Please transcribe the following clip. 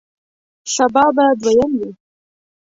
سبا به دویم وی